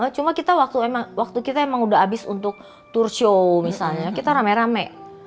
cuma kita waktu kita emang udah habis untuk tour show misalnya kita rame rame